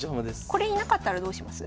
これ居なかったらどうします？